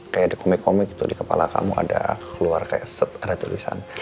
kayak ada komik komik gitu di kepala kamu ada keluar kayak ada tulisan